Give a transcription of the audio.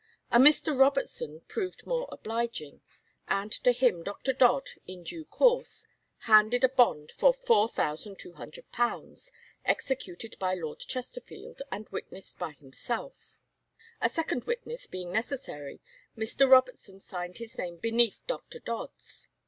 A Mr. Robertson proved more obliging, and to him Dr. Dodd, in due course, handed a bond for £4200 executed by Lord Chesterfield, and witnessed by himself. A second witness being necessary, Mr. Robertson signed his name beneath Dr. Dodd's.